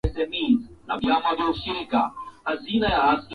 Kuwa moja kati ya maaskari watano wa kikosi cha usalama nchiini Afrika Kusini